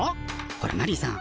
ほらマリーさん